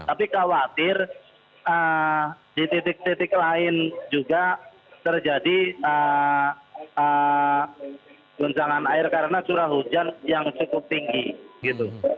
tapi khawatir di titik titik lain juga terjadi guncangan air karena curah hujan yang cukup tinggi gitu